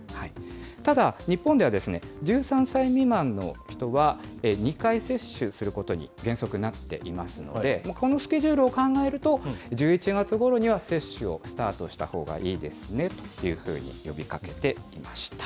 ただ、日本では１３歳未満の人は２回接種することに、原則なっていますので、ほかのスケジュールを考えると、１１月ごろには接種をスタートしたほうがいいですねというふうに呼びかけていました。